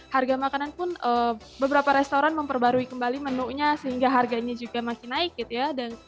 harga makanan pun beberapa restoran memperbarui kembali menunya sehingga harganya juga masih naik gitu ya